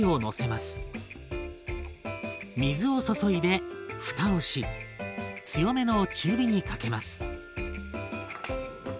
水を注いでふたをし強めの中火にかけます。